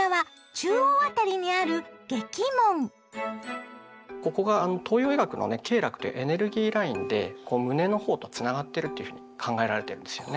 中央辺りにあるここが東洋医学のね経絡というエネルギーラインでこう胸の方とつながってるというふうに考えられてるんですよね。